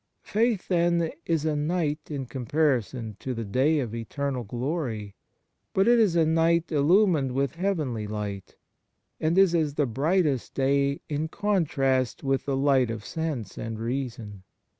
Faith, then, is a night in comparison to the day of eternal glory; but it is a night illumined with heavenly light, and is as the brightest day in contrast with the light of sense and reason.